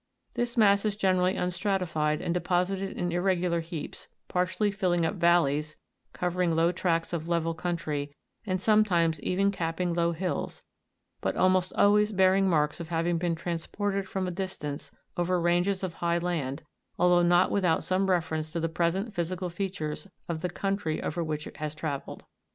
This mass is generally unstratified, and deposited in irregular heaps, partially filling up valleys, covering low tracts of level country, and sometimes even capping low hills, but almost always bearing marks of having been transported from a distance over ranges of high land, although not without some reference to the present physical features of the country over which it has travelled.